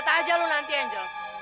lihat aja lu nanti angel